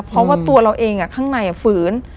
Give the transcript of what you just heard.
เพราะว่าตัวเราเองข้างในฝืน